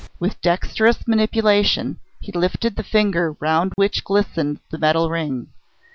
With dexterous manipulation he lifted the finger round which glistened the metal ring.